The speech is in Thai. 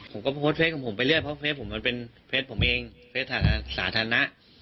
ผมก็โพสต์เฟสของผมไปเรื่อยเพราะเฟสผมมันเป็นเฟสผมเองเฟสสาธารณะ